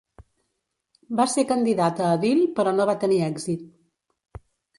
Va ser candidat a edil, però no va tenir èxit.